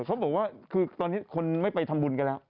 เขาบอกว่าคือตอนนี้คนไม่ไปทำบุญกันแล้ว